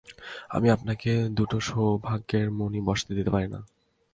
আমি আপনাকে দুটো সৌভাগ্যের মণি বসাতে দিতে পারি না।